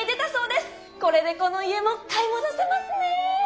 これでこの家も買い戻せますねェー！